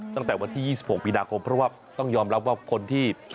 ตั้งแต่วันที่๒๖มีนาคมเพราะว่าต้องยอมรับว่าคนที่